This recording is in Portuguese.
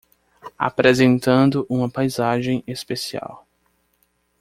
Apresentando uma paisagem especial